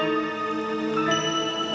ini buat lo